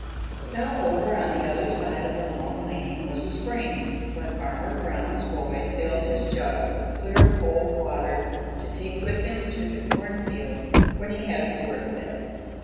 Now over on the other side of the Long Lane was a spring where Farmer Brown's boy filled his jug with clear cold water to take with him to the cornfield when he had to work there.